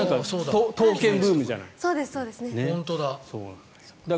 刀剣ブームじゃないですか。